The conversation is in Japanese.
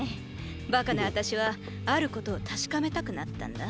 バカなあたしはあることを確かめたくなったんだ。